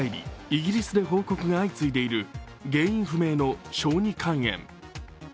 イギリスで報告が相次いでいる原因不明の小児肝炎。